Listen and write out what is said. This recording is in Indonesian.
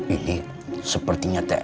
ini sepertinya te